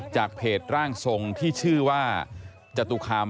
คนก็เลยวิพากษ์วิชาญกัน